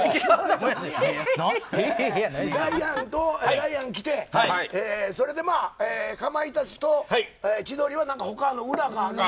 ダイアン来てかまいたちと千鳥は他の裏があるから。